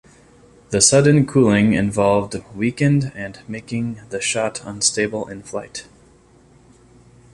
The sudden cooling involved weakened and making the shot unstable in flight.